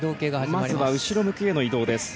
まずは後ろ向きへの移動です。